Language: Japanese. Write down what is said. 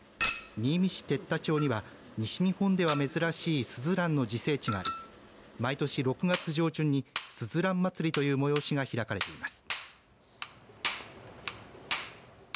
新見市哲多町には西日本では珍しいすずらんの自生地があり毎年６月上旬にすずらんまつりという催しが開かれています。